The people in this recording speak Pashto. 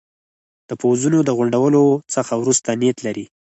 د پوځونو د غونډولو څخه وروسته نیت لري.